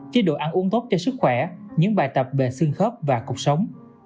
chế độ ăn uống tốt cho sức khỏe những bài tập về xương khớp và cuộc sống